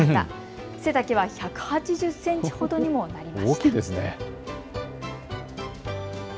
背丈は１８０センチほどにもなりました。